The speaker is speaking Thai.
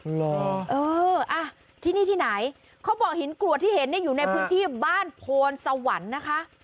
เหรอเอออ่ะที่นี่ที่ไหนเขาบอกหินกรวดที่เห็นเนี่ยอยู่ในพื้นที่บ้านโพนสวรรค์นะคะ